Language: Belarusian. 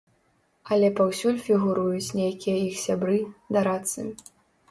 Але паўсюль фігуруюць нейкія іх сябры, дарадцы.